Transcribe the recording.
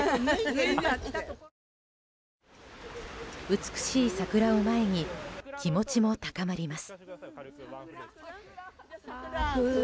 美しい桜を前に気持ちも高まります。